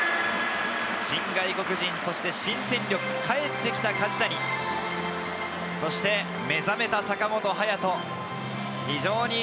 新外国人、そして新戦力、帰ってきた梶谷、そして、目覚めた坂本勇人。